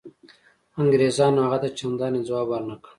انګرېزانو هغه ته چنداني ځواب ورنه کړ.